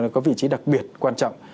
có vị trí đặc biệt quan trọng